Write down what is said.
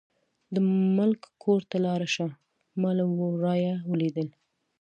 د ملک کور ته لاړه شه، ما له ورايه ولیدل.